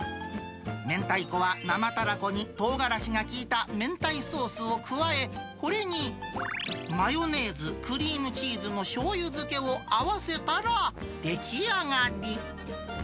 明太子は生たらこにとうがらしが効いた明太ソースを加え、これにマヨネーズ、クリームチーズのしょうゆ漬けを合わせたら出来上がり。